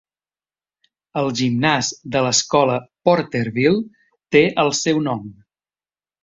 El gimnàs de l'escola Porterville té el seu nom.